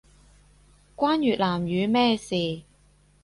關越南語咩事